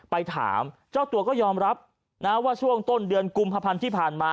ไปถามเจ้าตัวก็ยอมรับนะว่าช่วงต้นเดือนกุมภาพันธ์ที่ผ่านมา